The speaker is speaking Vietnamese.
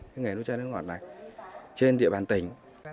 cái nghề nuôi chai nước ngọt này trên địa bàn tỉnh